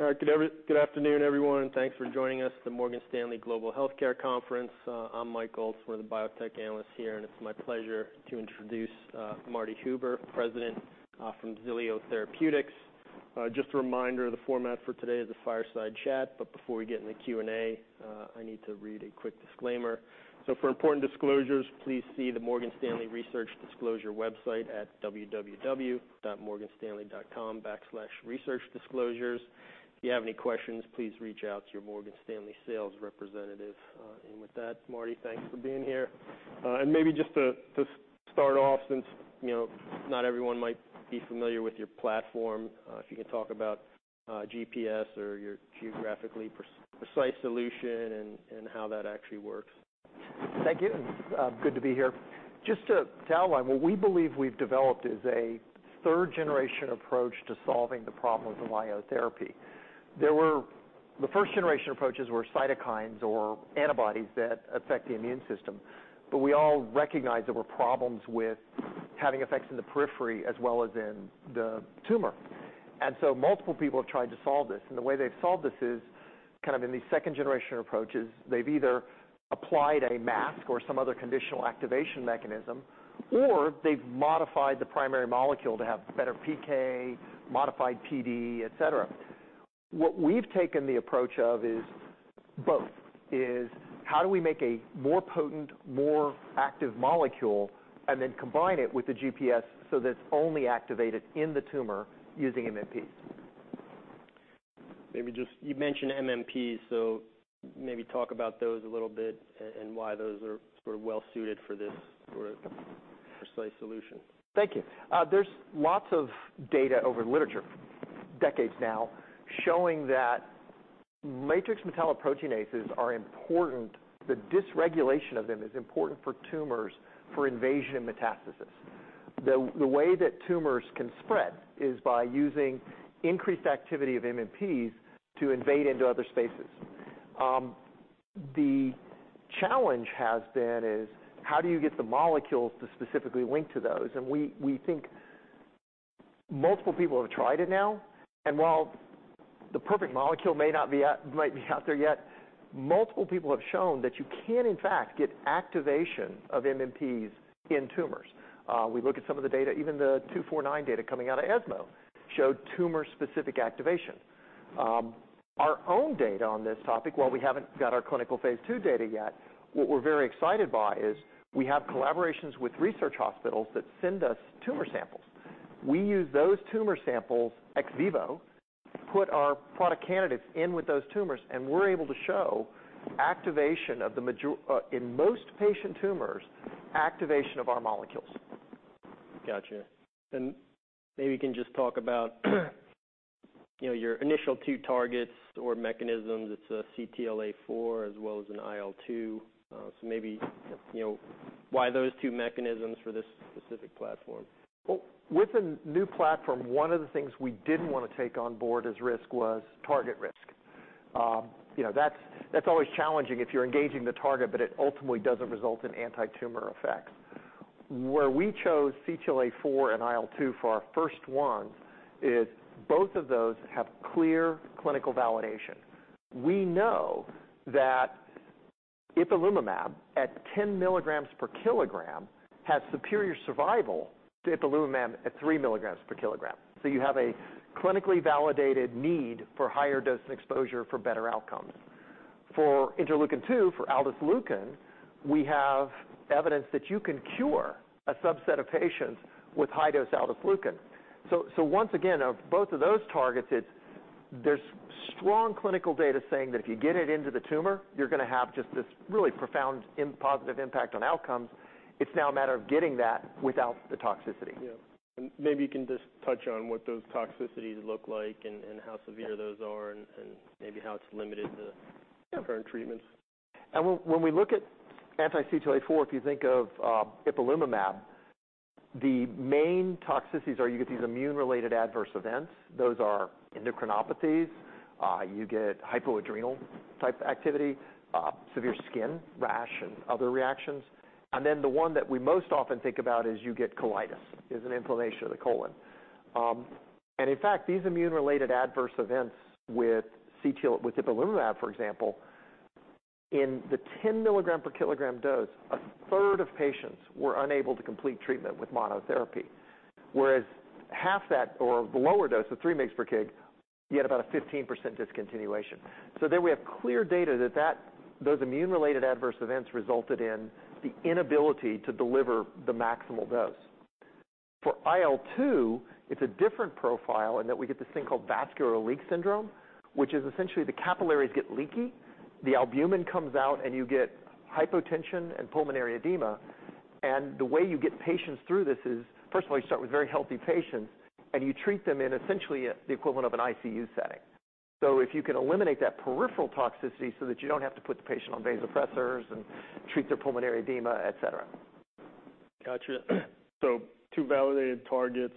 All right. Good afternoon, everyone, and thanks for joining us at the Morgan Stanley Global Healthcare Conference. I'm Mike Goltz. We're the biotech analysts here, and it's my pleasure to introduce Marty Huber, President, from Xilio Therapeutics. Just a reminder, the format for today is a fireside chat, but before we get in the Q&A, I need to read a quick disclaimer. For important disclosures, please see the Morgan Stanley research disclosure website at www.morganstanley.com/researchdisclosures. If you have any questions, please reach out to your Morgan Stanley sales representative. With that, Marty, thanks for being here. Maybe just to start off since, you know, not everyone might be familiar with your platform, if you could talk about GPS or your Geographically Precise Solution and how that actually works. Thank you. It's good to be here. Just to outline, what we believe we've developed is a third-generation approach to solving the problem of immunotherapy. The first-generation approaches were cytokines or antibodies that affect the immune system, but we all recognized there were problems with having effects in the periphery as well as in the tumor. Multiple people have tried to solve this, and the way they've solved this is kind of in these second-generation approaches, they've either applied a mask or some other conditional activation mechanism, or they've modified the primary molecule to have better PK, modified PD, et cetera. What we've taken the approach of is both. How do we make a more potent, more active molecule and then combine it with the GPS so that it's only activated in the tumor using MMPs? Maybe just you mentioned MMPs, so maybe talk about those a little bit and why those are sort of well suited for this sort of precise solution. Thank you. There's lots of data in the literature over decades now, showing that matrix metalloproteinases are important. The dysregulation of them is important for tumors for invasion and metastasis. The way that tumors can spread is by using increased activity of MMPs to invade into other spaces. The challenge has been how do you get the molecules to specifically link to those? We think multiple people have tried it now, and while the perfect molecule may not be out there yet, multiple people have shown that you can in fact get activation of MMPs in tumors. We look at some of the data, even the XTX202 data coming out of ESMO showed tumor-specific activation. Our own data on this topic, while we haven't got our phase 2 data yet, what we're very excited by is we have collaborations with research hospitals that send us tumor samples. We use those tumor samples ex vivo, put our product candidates in with those tumors, and we're able to show activation in most patient tumors, activation of our molecules. Gotcha. Maybe you can just talk about, you know, your initial two targets or mechanisms. It's a CTLA-4 as well as an IL-2. So maybe, you know, why those two mechanisms for this specific platform? Well, with the new platform, one of the things we didn't wanna take on board as risk was target risk. You know, that's always challenging if you're engaging the target, but it ultimately doesn't result in antitumor effects. Where we chose CTLA-4 and IL-2 for our first one is both of those have clear clinical validation. We know that ipilimumab at 10 milligrams per kilogram has superior survival to ipilimumab at 3 mg per kilogram. You have a clinically validated need for higher dose and exposure for better outcomes. For interleukin-2, for aldesleukin, we have evidence that you can cure a subset of patients with high-dose aldesleukin. Once again, of both of those targets, there's strong clinical data saying that if you get it into the tumor, you're gonna have just this really profound positive impact on outcomes. It's now a matter of getting that without the toxicity. Yeah. Maybe you can just touch on what those toxicities look like and how severe those are and maybe how it's limited the Yeah current treatments. When we look at anti-CTLA-4, if you think of ipilimumab, the main toxicities are you get these immune-related adverse events. Those are endocrinopathies. You get hypoadrenal type activity, severe skin rash and other reactions. The one that we most often think about is you get colitis. It's an inflammation of the colon. In fact, these immune-related adverse events with ipilimumab, for example, in the 10 mg per kilogram dose, a third of patients were unable to complete treatment with monotherapy. Whereas half that or the lower dose of 3 mg per kg, you had about a 15% discontinuation. There we have clear data that those immune-related adverse events resulted in the inability to deliver the maximal dose. For IL-2, it's a different profile in that we get this thing called vascular leak syndrome, which is essentially the capillaries get leaky, the albumin comes out, and you get hypotension and pulmonary edema. The way you get patients through this is, first of all, you start with very healthy patients, and you treat them in essentially the equivalent of an ICU setting. If you can eliminate that peripheral toxicity so that you don't have to put the patient on vasopressors and treat their pulmonary edema, et cetera. Gotcha. Two validated targets.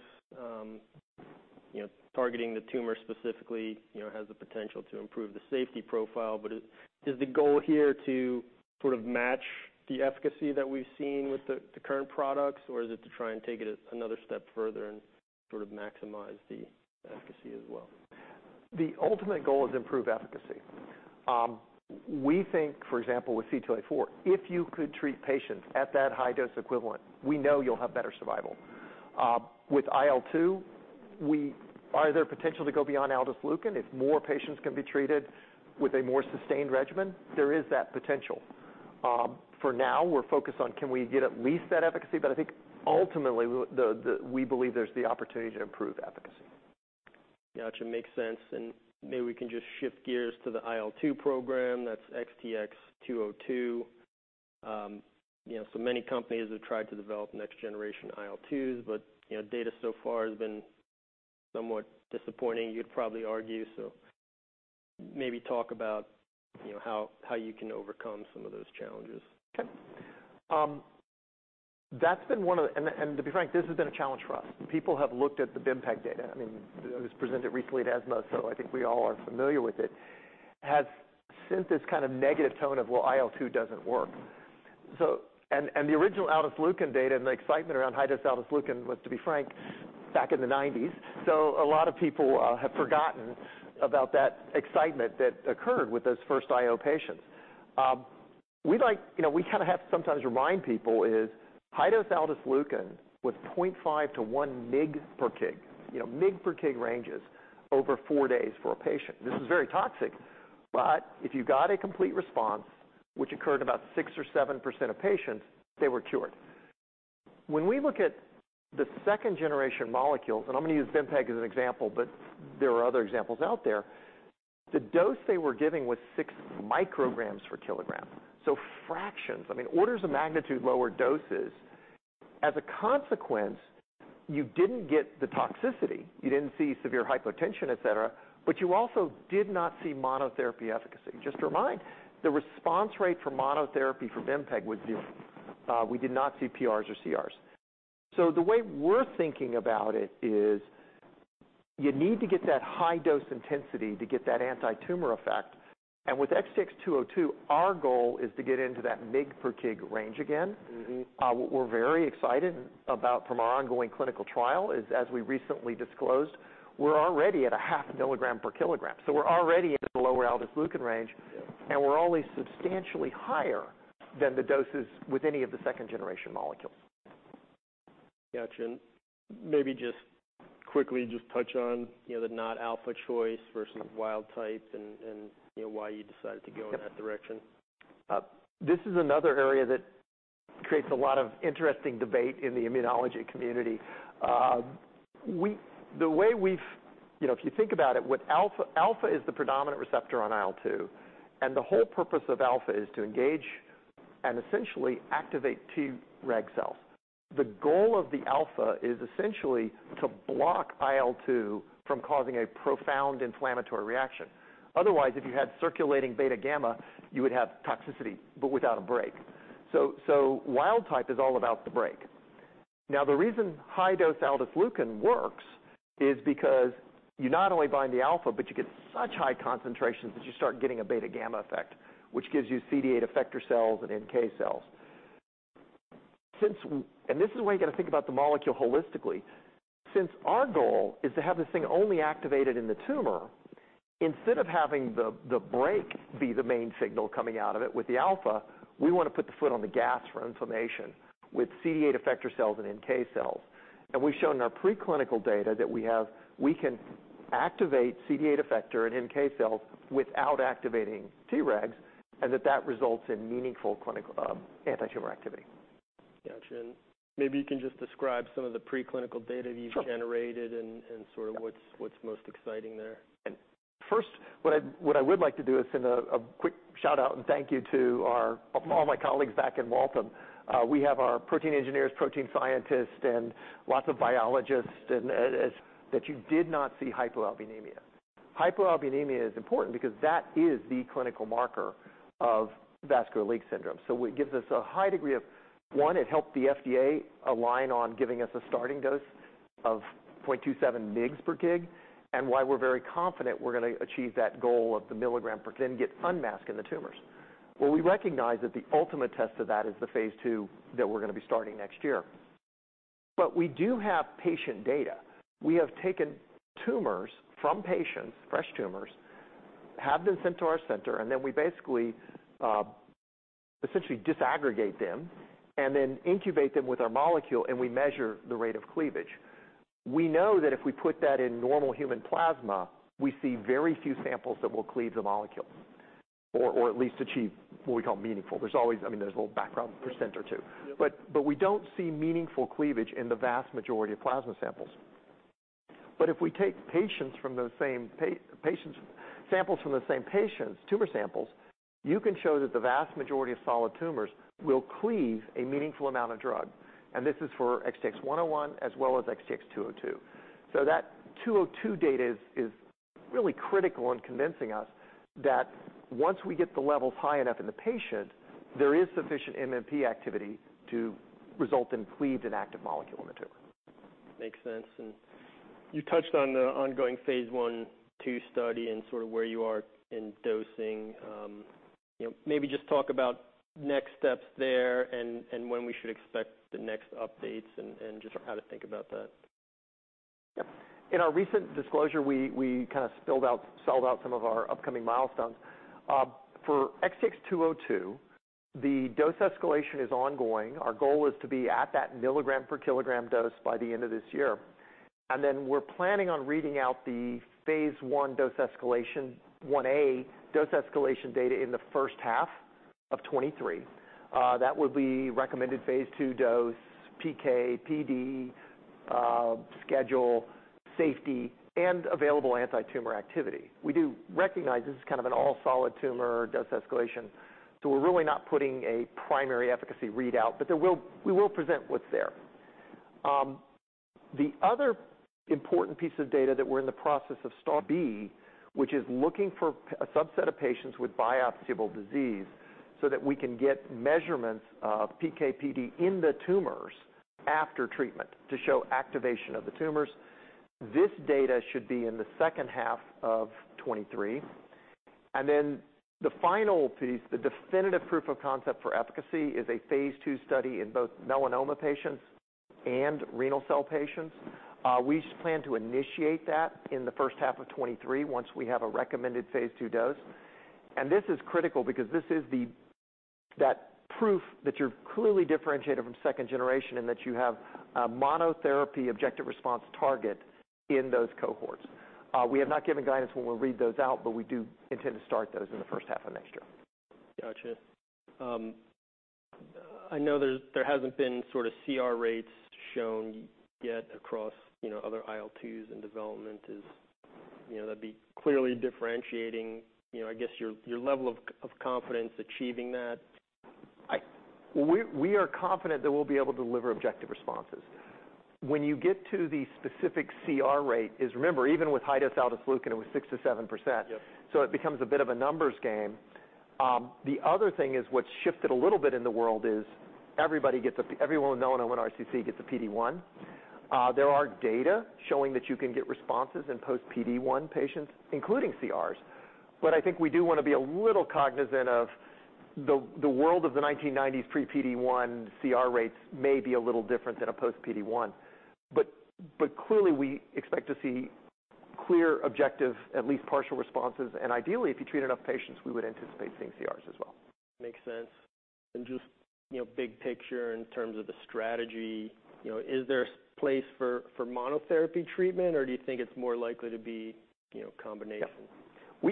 You know, targeting the tumor specifically, you know, has the potential to improve the safety profile. Is the goal here to sort of match the efficacy that we've seen with the current products, or is it to try and take it another step further and sort of maximize the efficacy as well? The ultimate goal is to improve efficacy. We think for example, with CTLA-4, if you could treat patients at that high dose equivalent, we know you'll have better survival. With IL-2, is there potential to go beyond aldesleukin? If more patients can be treated with a more sustained regimen, there is that potential. For now, we're focused on can we get at least that efficacy? I think ultimately we believe there's the opportunity to improve efficacy. Gotcha. Makes sense. Maybe we can just shift gears to the IL-2 program. That's XTX202. You know, so many companies have tried to develop next generation IL-2s, but, you know, data so far has been somewhat disappointing, you'd probably argue. Maybe talk about, you know, how you can overcome some of those challenges. That's been one of the. To be frank, this has been a challenge for us. People have looked at the bempegaldesleukin data, I mean, it was presented recently at ASCO, so I think we all are familiar with it. It has sent this kind of negative tone of, well, IL-2 doesn't work. The original aldesleukin data and the excitement around high-dose aldesleukin was, to be frank, back in the nineties. A lot of people have forgotten about that excitement that occurred with those first IO patients. You know, we kinda have to sometimes remind people is high-dose aldesleukin was 0.5-1 mg per kg, you know, mg per kg ranges over four days for a patient. This is very toxic, but if you got a complete response, which occurred about 6 or 7% of patients, they were cured. When we look at the second generation molecules, and I'm gonna use bempegaldesleukin as an example, but there are other examples out there. The dose they were giving was 6 micrograms per kilogram. So fractions, I mean, orders of magnitude lower doses. As a consequence, you didn't get the toxicity, you didn't see severe hypotension, et cetera, but you also did not see monotherapy efficacy. Just to remind, the response rate for monotherapy for bempegaldesleukin was zero. We did not see PRs or CRs. So the way we're thinking about it is you need to get that high dose intensity to get that anti-tumor effect. With XTX202, our goal is to get into that mg per kg range again. Mm-hmm. What we're very excited about from our ongoing clinical trial is, as we recently disclosed, we're already at 0.5 milligram per kilogram. We're already in the lower aldesleukin range. Yeah. We're only substantially higher than the doses with any of the second generation molecules. Gotcha. Maybe just quickly touch on, you know, the not alpha choice versus wild type and, you know, why you decided to go in that direction. This is another area that creates a lot of interesting debate in the immunology community. The way we've. You know, if you think about it, what alpha is the predominant receptor on IL-2, and the whole purpose of alpha is to engage and essentially activate Tregs. The goal of the alpha is essentially to block IL-2 from causing a profound inflammatory reaction. Otherwise, if you had circulating beta-gamma, you would have toxicity, but without a break. Wild-type is all about the break. Now, the reason high-dose aldesleukin works is because you not only bind the alpha, but you get such high concentrations that you start getting a beta-gamma effect, which gives you CD8 effector cells and NK cells. This is the way you gotta think about the molecule holistically. Since our goal is to have this thing only activated in the tumor, instead of having the brake be the main signal coming out of it with the alpha, we wanna put the foot on the gas for inflammation with CD8 effector cells and NK cells. We've shown in our preclinical data that we can activate CD8 effector and NK cells without activating Tregs, and that results in meaningful clinical antitumor activity. Gotcha. Maybe you can just describe some of the preclinical data you've Sure Generated and sort of what's most exciting there. First, what I would like to do is send a quick shout-out and thank you to all my colleagues back in Waltham. We have our protein engineers, protein scientists, and lots of biologists that you did not see hypoalbuminemia. Hypoalbuminemia is important because that is the clinical marker of vascular leak syndrome. It gives us a high degree of confidence. One, it helped the FDA align on giving us a starting dose of 0.27 mg per kg and why we're very confident we're gonna achieve that goal of 1 mg per kg. Then get unmask in the tumors. We recognize that the ultimate test of that is the phase 2 that we're gonna be starting next year. We do have patient data. We have taken tumors from patients, fresh tumors, have them sent to our center, and then we basically essentially disaggregate them and then incubate them with our molecule, and we measure the rate of cleavage. We know that if we put that in normal human plasma, we see very few samples that will cleave the molecules or at least achieve what we call meaningful. There's always, I mean, there's a little background 1% or 2%. Yeah. We don't see meaningful cleavage in the vast majority of plasma samples. If we take samples from the same patients, tumor samples, you can show that the vast majority of solid tumors will cleave a meaningful amount of drug. This is for XTX101 as well as XTX202. That 202 data is really critical in convincing us that once we get the levels high enough in the patient, there is sufficient MMP activity to result in cleaved and active molecule in the tumor. Makes sense. You touched on the ongoing phase 1/2 study and sort of where you are in dosing. You know, maybe just talk about next steps there and when we should expect the next updates and just how to think about that. Yep. In our recent disclosure, we kind of spelled out some of our upcoming milestones. For XTX202, the dose escalation is ongoing. Our goal is to be at that milligram per kilogram dose by the end of this year. Then we're planning on reading out the phase 1 dose escalation, 1A, dose escalation data in the first half of 2023. That would be recommended phase 2 dose, PK/PD, schedule, safety, and available antitumor activity. We do recognize this is kind of an all-solid tumor dose escalation, so we're really not putting a primary efficacy readout, but we will present what's there. The other important piece of data that we're in the process of starting, which is looking for a subset of patients with biopsiable disease so that we can get measurements of PK/PD in the tumors after treatment to show activation of the tumors. This data should be in the second half of 2023. Then the final piece, the definitive proof of concept for efficacy, is a phase 2 study in both melanoma patients and renal cell patients. We plan to initiate that in the first half of 2023 once we have a recommended phase 2 dose. This is critical because this is the proof that you're clearly differentiated from second generation and that you have a monotherapy objective response target in those cohorts. We have not given guidance when we'll read those out, but we do intend to start those in the first half of next year. Gotcha. I know there hasn't been sort of CR rates shown yet across, you know, other IL-twos in development. You know, that'd be clearly differentiating, you know, I guess your level of confidence achieving that. We are confident that we'll be able to deliver objective responses. When you get to the specific CR rate, remember, even with high-dose aldesleukin, it was 6%-7%. Yep. It becomes a bit of a numbers game. The other thing is what's shifted a little bit in the world is everyone with melanoma and RCC gets a PD-1. There are data showing that you can get responses in post-PD-1 patients, including CRs. But I think we do wanna be a little cognizant of the world of the 1990s pre-PD-1 CR rates may be a little different than a post-PD-1. But clearly, we expect to see clear objective, at least partial responses. Ideally, if you treat enough patients, we would anticipate seeing CRs as well. Makes sense. Just, you know, big picture in terms of the strategy, you know, is there a place for monotherapy treatment, or do you think it's more likely to be, you know, combination? Yeah.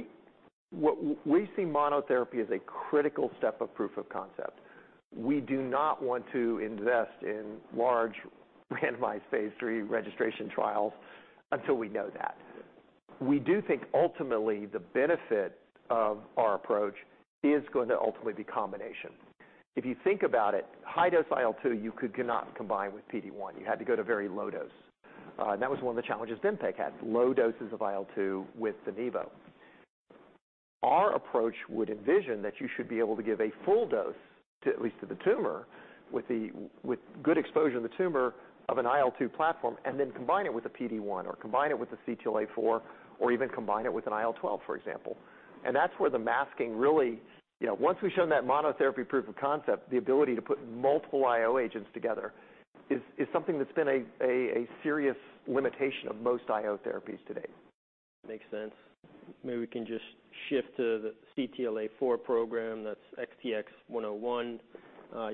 What we see monotherapy as a critical step of proof of concept. We do not want to invest in large randomized phase 3 registration trials until we know that. Yeah. We do think ultimately the benefit of our approach is going to ultimately be combination. If you think about it, high-dose IL-2 cannot combine with PD-1. You had to go to very low dose. That was one of the challenges Bempeg had, low doses of IL-2 with the nivolumab. Our approach would envision that you should be able to give a full dose to the tumor with good exposure in the tumor of an IL-2 platform, and then combine it with a PD-1, or combine it with a CTLA-4, or even combine it with an IL-12, for example. That's where the masking really once we've shown that monotherapy proof of concept, the ability to put multiple IO agents together is something that's been a serious limitation of most IO therapies to date. Makes sense. Maybe we can just shift to the CTLA-4 program. That's XTX101.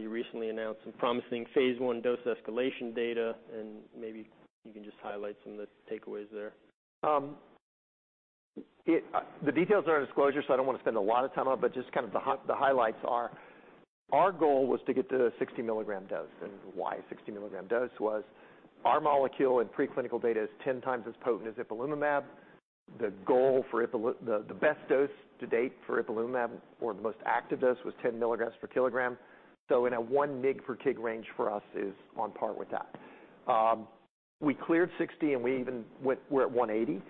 You recently announced some promising phase 1 dose escalation data, and maybe you can just highlight some of the takeaways there. The details are in disclosure, so I don't wanna spend a lot of time on it, but just kind of the highlights are our goal was to get to a 60 mg dose. Why 60 milligram dose was our molecule in preclinical data is 10 times as potent as ipilimumab. The goal for the best dose to date for ipilimumab, or the most active dose was 10 mg per kilogram. In a 1 mg per kg range for us is on par with that. We cleared 60, and we even went. We're at 180.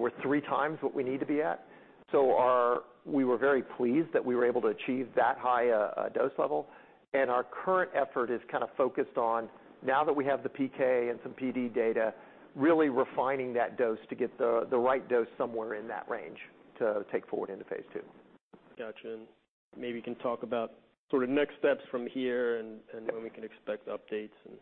We're three times what we need to be at. We were very pleased that we were able to achieve that high dose level. Our current effort is kind of focused on, now that we have the PK and some PD data, really refining that dose to get the right dose somewhere in that range to take forward into phase 2. Gotcha. Maybe you can talk about sort of next steps from here and when we can expect updates and.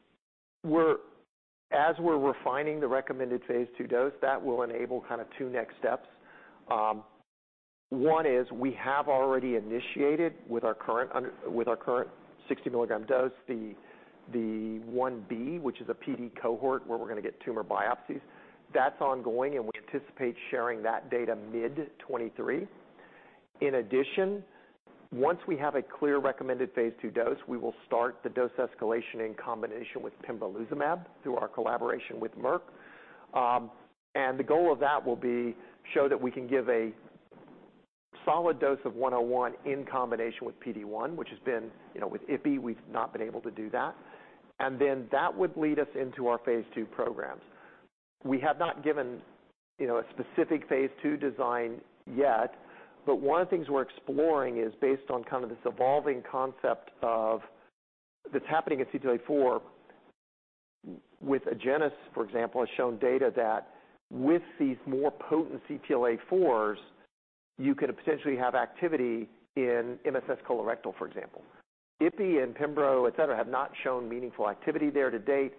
As we're refining the recommended phase 2 dose, that will enable kind of two next steps. One is we have already initiated with our current 60 mg dose, the 1B, which is a PD cohort, where we're gonna get tumor biopsies. That's ongoing, and we anticipate sharing that data mid 2023. In addition, once we have a clear recommended phase 2 dose, we will start the dose escalation in combination with pembrolizumab through our collaboration with Merck. The goal of that will be to show that we can give a solid dose of 101 in combination with PD-1, which has been, you know, with Ipi, we've not been able to do that. That would lead us into our phase 2 programs. We have not given, you know, a specific phase 2 design yet, but one of the things we're exploring is based on kind of this evolving concept that's happening at CTLA-4. With Agenus, for example, has shown data that with these more potent CTLA-4s you could potentially have activity in MSS colorectal, for example. Ipi and Pembro, et cetera, have not shown meaningful activity there to date,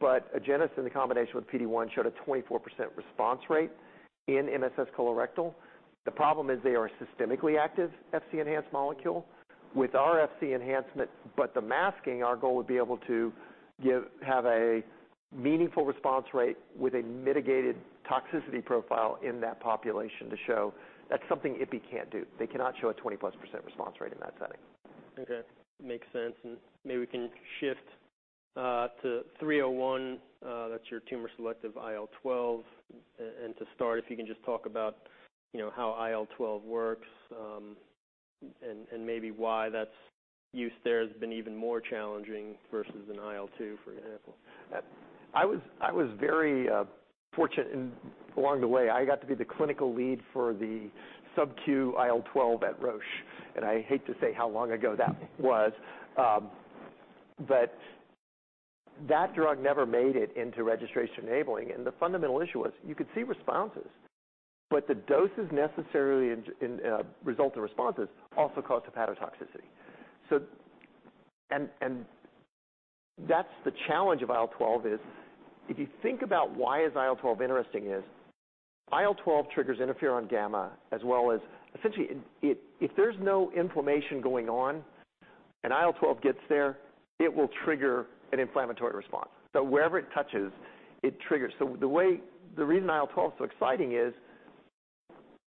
but Agenus in the combination with PD-1 showed a 24% response rate in MSS colorectal. The problem is they are a systemically active Fc-enhanced molecule. With our Fc enhancement, but the masking, our goal would be to have a meaningful response rate with a mitigated toxicity profile in that population to show that's something Ipi can't do. They cannot show a 20+% response rate in that setting. Okay. Makes sense. Maybe we can shift to 301, that's your tumor-selective IL-12. To start, if you can just talk about, you know, how IL-12 works, and maybe why its use there has been even more challenging versus an IL-2, for example. I was very fortunate along the way. I got to be the clinical lead for the subQ IL-12 at Roche, and I hate to say how long ago that was. But that drug never made it into registration enabling. The fundamental issue was you could see responses, but the doses necessarily result of responses also caused hepatotoxicity. That's the challenge of IL-12. If you think about why is IL-12 interesting is IL-12 triggers interferon gamma as well as. Essentially, if there's no inflammation going on and IL-12 gets there, it will trigger an inflammatory response. Wherever it touches, it triggers. The reason IL-12 is so exciting is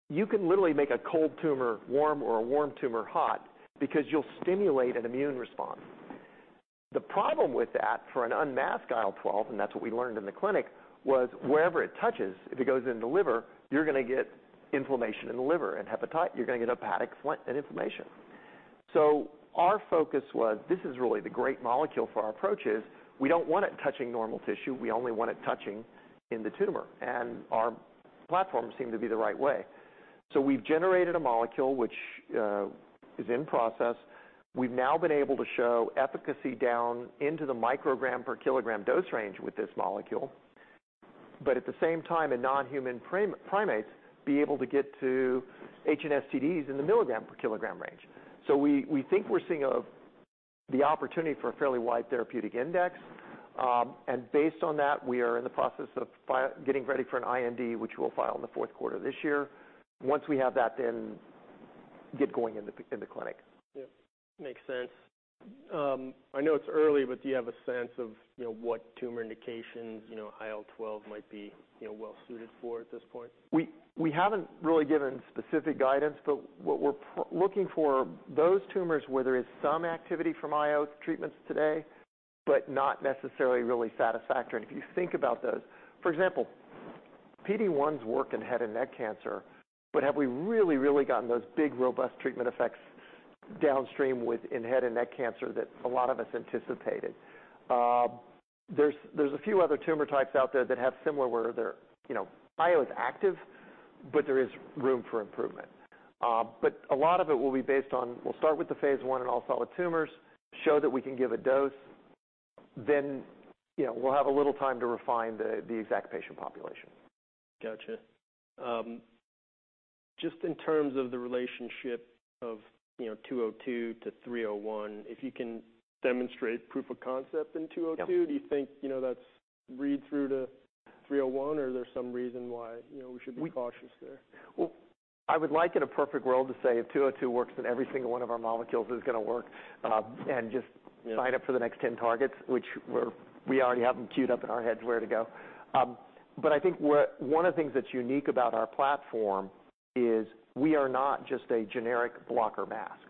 you can literally make a cold tumor warm or a warm tumor hot because you'll stimulate an immune response. The problem with that for an unmasked IL-12, and that's what we learned in the clinic, was wherever it touches, if it goes into liver, you're gonna get inflammation in the liver and you're gonna get hepatic inflammation and inflammation. Our focus was, this is really the great molecule for our approach is we don't want it touching normal tissue. We only want it touching in the tumor, and our platform seemed to be the right way. We've generated a molecule which is in process. We've now been able to show efficacy down into the microgram per kilogram dose range with this molecule, but at the same time, in non-human primates, be able to get to HNSTDs in the milligram per kilogram range. We think we're seeing the opportunity for a fairly wide therapeutic index. Based on that, we are in the process of getting ready for an IND, which we'll file in the fourth quarter this year. Once we have that, then get going in the clinic. Yeah. Makes sense. I know it's early, but do you have a sense of, you know, what tumor indications, you know, IL-12 might be, you know, well suited for at this point? We haven't really given specific guidance, but what we're looking for those tumors where there is some activity from IO treatments today, but not necessarily really satisfactory. If you think about those. For example, PD-1s work in head and neck cancer, but have we really, really gotten those big, robust treatment effects downstream with in head and neck cancer that a lot of us anticipated? There's a few other tumor types out there that have similar, where they're, you know, IO is active, but there is room for improvement. A lot of it will be based on we'll start with the phase 1 in all solid tumors, show that we can give a dose, then, you know, we'll have a little time to refine the exact patient population. Gotcha. Just in terms of the relationship of, you know, 202-301, if you can demonstrate proof of concept in 202- Yeah. Do you think, you know, that's read through to 301 or there's some reason why, you know, we should be cautious there? Well, I would like in a perfect world to say if 202 works, then every single one of our molecules is gonna work, and just- Yeah. Sign up for the next 10 targets, which we already have them queued up in our heads where to go. I think one of the things that's unique about our platform is we are not just a generic blocker mask.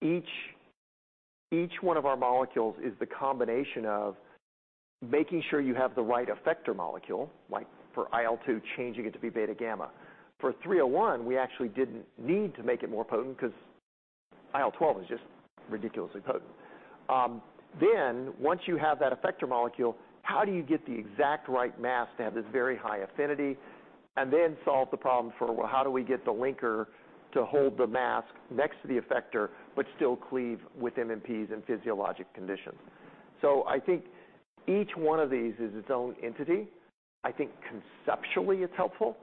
Each one of our molecules is the combination of making sure you have the right effector molecule, like for IL-2, changing it to be beta-gamma. For 301, we actually didn't need to make it more potent because IL-12 is just ridiculously potent. Then once you have that effector molecule, how do you get the exact right mask to have this very high affinity and then solve the problem for, well, how do we get the linker to hold the mask next to the effector but still cleave with MMPs in physiologic conditions? I think each one of these is its own entity. I think conceptually it's helpful,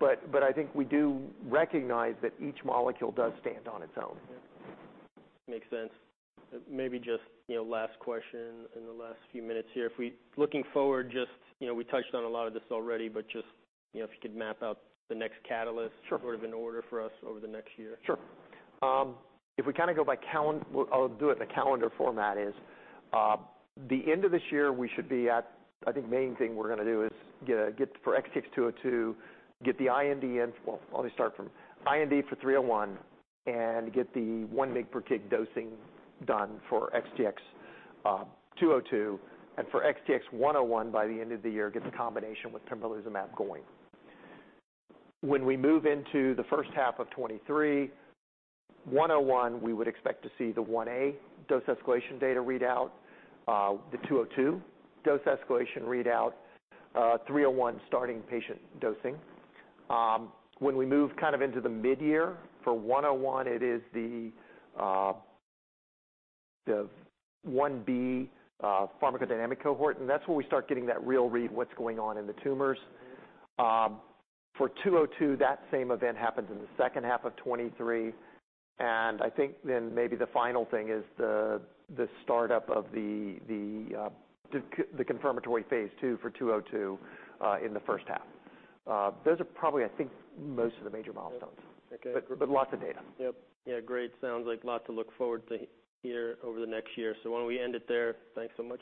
but I think we do recognize that each molecule does stand on its own. Yeah. Makes sense. Maybe just, you know, last question in the last few minutes here. Looking forward, just, you know, we touched on a lot of this already, but just, you know, if you could map out the next catalyst. Sure. Sort of in order for us over the next year. Sure. I'll do it in a calendar format. The end of this year, we should be at. I think the main thing we're gonna do is get for XTX202 the IND in. Well, let me start from IND for XTX301 and get the 1 mg per kg dosing done for XTX202. For XTX101, by the end of the year, get the combination with pembrolizumab going. When we move into the first half of 2023, XTX101, we would expect to see the 1A dose escalation data readout, the XTX202 dose escalation readout, XTX301 starting patient dosing. When we move kind of into the midyear, for 101, it is the 1B pharmacodynamic cohort, and that's where we start getting that real read on what's going on in the tumors. For 202, that same event happens in the second half of 2023. I think then maybe the final thing is the startup of the confirmatory phase 2 for 202 in the first half. Those are probably, I think, most of the major milestones. Okay. Lots of data. Yep. Yeah. Great. Sounds like lots to look forward to here over the next year. Why don't we end it there? Thanks so much.